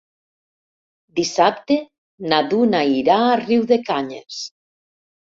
Dissabte na Duna irà a Riudecanyes.